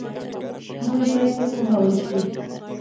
هغوی باید وپوهول شي.